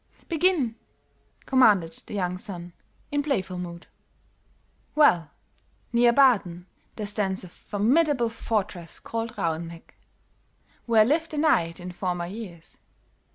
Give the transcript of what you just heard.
"Begin," commanded the young son, in playful mood. "Well, near Baaden there stands a formidable fortress called Rauheneck where lived a knight in former years.